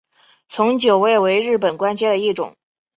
从九位为日本官阶的一种。